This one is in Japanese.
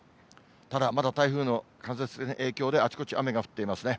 ただ、まだ台風の風の影響であちこち、雨が降っていますね。